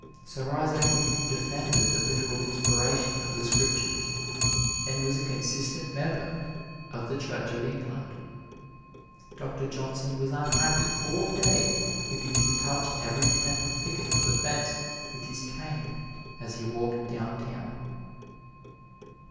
Sir Isaac Newton defended the literal inspiration of the Scriptures and was a consistent member of the Church of England. Doctor Johnson was unhappy all day if he didn't touch every tenth picket of the fence with his cane as he walked downtown.